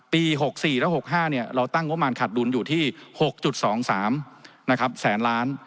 ๖๔และ๖๕เราตั้งงบประมาณขาดดุลอยู่ที่๖๒๓แสนล้าน